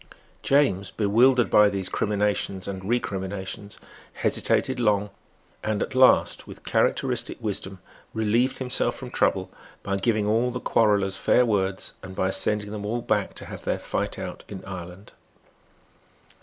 James, bewildered by these criminations and recriminations, hesitated long, and at last, with characteristic wisdom, relieved himself from trouble by giving all the quarrellers fair words and by sending them all back to have their fight out in Ireland.